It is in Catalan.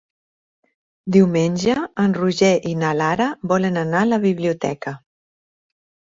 Diumenge en Roger i na Lara volen anar a la biblioteca.